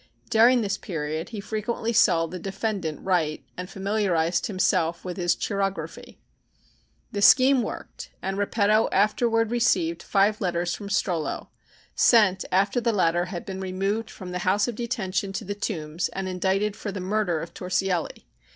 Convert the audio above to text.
During this period he frequently saw the defendant write and familiarized himself with his chirography. The scheme worked and Repetto afterward received five letters from Strollo, sent after the latter had been removed from the House of Detention to the Tombs and indicted for the murder of Torsielli.